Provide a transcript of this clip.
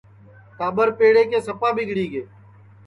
ٹاٻر پیڑے کے سپا ٻِگڑی گے